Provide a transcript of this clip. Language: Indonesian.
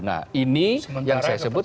nah ini yang saya sebut